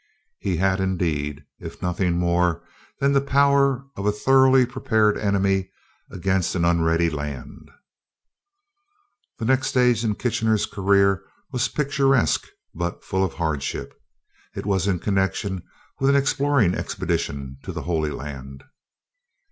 He had indeed if nothing more than the power of a thoroughly prepared enemy against an unready land. The next stage in Kitchener's career was picturesque but full of hardship. It was in connection with an exploring expedition to the Holy Land.